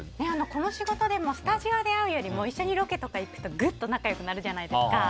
この仕事でもスタジオで会うよりも一緒にロケに行ったほうがぐっと仲良くなるじゃないですか。